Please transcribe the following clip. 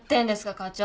課長。